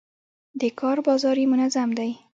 د کار بازار یې منظم دی.